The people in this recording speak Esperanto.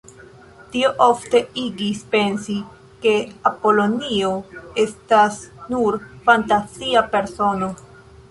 Tio ofte igis pensi, ke Apolonio estas nur fantazia persono.